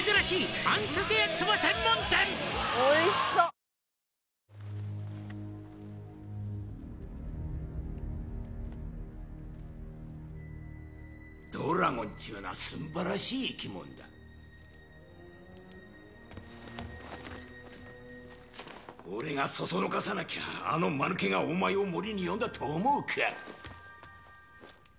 三菱電機ドラゴンっちゅうのはすんばらしい生き物だ俺が唆さなきゃあのマヌケがお前を森に呼んだと思うか？